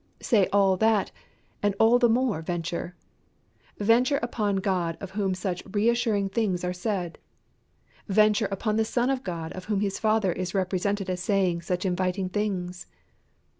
Say all that and all the more venture. Venture upon God of whom such reassuring things are said. Venture upon the Son of God of whom His Father is represented as saying such inviting things.